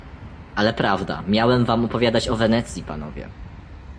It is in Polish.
"Ale prawda, miałem wam opowiadać o Wenecji, panowie."